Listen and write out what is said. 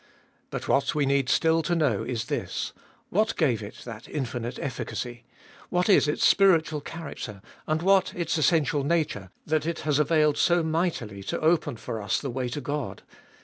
But what we need still to know is this : what gave it that infinite efficacy ; what is its spiritual character, and what its essential nature, that it has availed so mightily to open for us the way to God.